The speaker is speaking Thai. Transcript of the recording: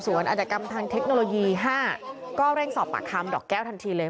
ส่วนอาจกรรมทางเทคโนโลยี๕ก็เร่งสอบปากคำดอกแก้วทันทีเลย